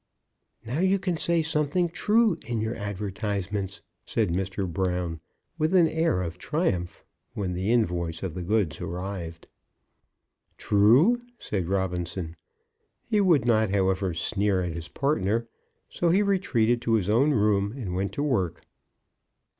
"Now you can say something true in your advertisements," said Mr. Brown, with an air of triumph, when the invoice of the goods arrived. "True!" said Robinson. He would not, however, sneer at his partner, so he retreated to his own room, and went to work.